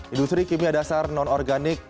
industri kimia dasar non organik